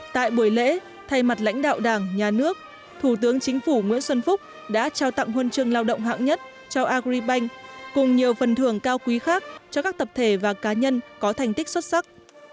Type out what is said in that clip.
tại buổi lễ thay mặt lãnh đạo đảng nhà nước thủ tướng chính phủ nguyễn xuân phúc đã trao tặng huân chương lao động hạng nhất cho agribank cùng nhiều phần thường cao quý khác cho các tập thể và cá nhân có thành tích xuất sắc